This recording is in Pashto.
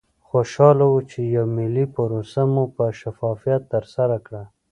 خوشحاله وو چې یوه ملي پروسه مو په شفافیت ترسره کړه.